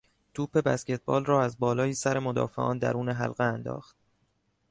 توپ بسکتبال را از بالای سر مدافعان درون حلقه انداخت.